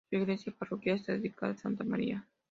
Su iglesia parroquial está dedicada a Santa María.